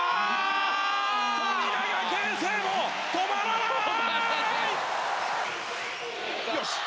富永啓生、止まらない！